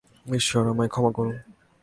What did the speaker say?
ঈশ্বর, আমায় ক্ষমা করুন।